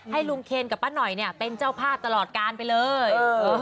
ลุงเคนกับป้าหน่อยเป็นเจ้าภาพตลอดการไปเลย